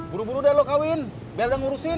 buru buru dah lo kawin biar ada yang ngurusin